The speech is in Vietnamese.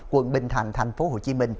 quận bình thành tp hcm